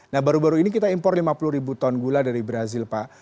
nah baru baru ini kita impor lima puluh ribu ton gula dari brazil pak